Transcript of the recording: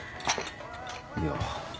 いや。